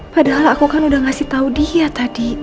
padahal aku kan udah ngasih tau dia tadi